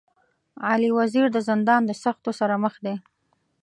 علي وزير د زندان د سختو سره مخ دی.